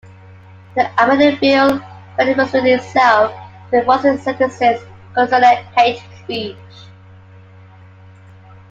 The amended bill finally restricted itself to reinforcing sentences concerning hate speech.